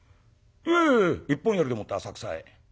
「いえいえいえ一本やりでもって浅草へ」。